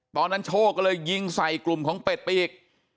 โชคก็เลยยิงใส่กลุ่มของเป็ดไปอีก